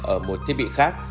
ở một thiết bị khác